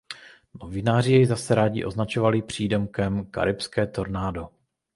Novináři jej zase rádi označovali přídomkem "Karibské tornádo".